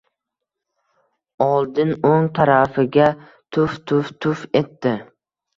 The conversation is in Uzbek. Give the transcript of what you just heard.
Oldin o‘ng tarafiga tuf-tuf-tuf etdi.